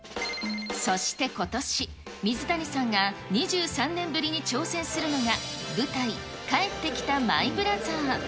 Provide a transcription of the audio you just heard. そしてことし、水谷さんが２３年ぶりに挑戦するのが、舞台、帰ってきたマイ・ブラザー。